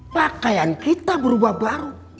pakaian kita berubah baru